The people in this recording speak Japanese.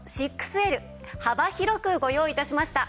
幅広くご用意致しました。